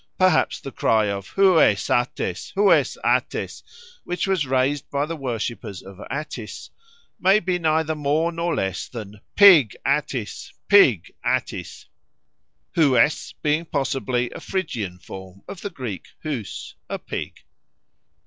Perhaps the cry of "Hyes Attes! Hyes Attes!" which was raised by the worshippers of Attis, may be neither more nor less than "Pig Attis! Pig Attis!" hyes being possibly a Phrygian form of the Greek hy¯s, "a pig."